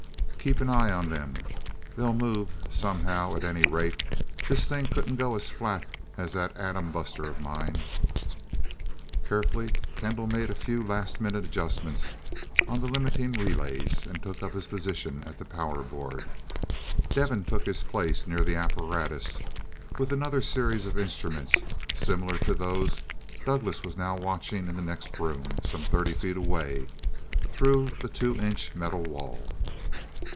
"Keep an eye on them. They'll move somehow, at any rate. This thing couldn't go as flat as that atom buster of mine." Carefully Kendall made a few last minute adjustments on the limiting relays, and took up his position at the power board. Devin took his place near the apparatus, with another series of instruments, similar to those Douglass was now watching in the next room, some thirty feet away, through the two inch metal wall.